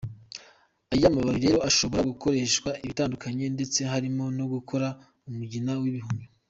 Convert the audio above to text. Aya mababi rero ashobora gukoreshwa ibitandukanye, ndetse harimo no gukora umugina w’ibihumyo.